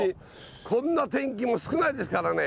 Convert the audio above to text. こんな天気も少ないですからね。ね。